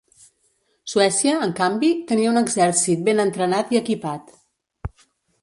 Suècia, en canvi, tenia un exèrcit ben entrenat i equipat.